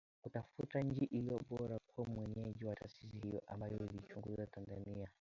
Kutafuta nchi iliyo bora kuwa mwenyeji wa taasisi hiyo, ambayo iliichagua Tanzania .